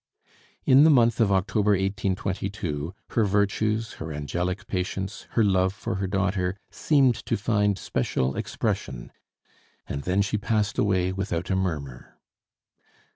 In the month of October, 1822, her virtues, her angelic patience, her love for her daughter, seemed to find special expression; and then she passed away without a murmur.